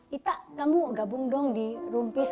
ita kamu gabung dong di rumpis